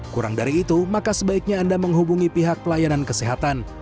kurang dari itu maka sebaiknya anda menghubungi pihak pelayanan kesehatan